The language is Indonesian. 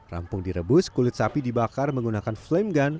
rampung direbus kulit sapi dibakar menggunakan flame gun